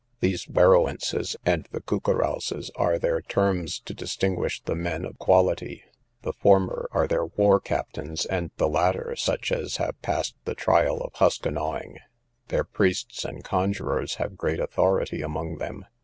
These Werowances and the Coucarouses are their terms to distinguish the men of quality; the former are their war captains, and the latter such as have passed the trial of huskanawing. Their priests and conjurors have great authority among them.